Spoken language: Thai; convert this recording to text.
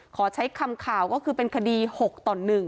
ขอใช้คำข่าวก็คือเป็นคดี๖ต่อ๑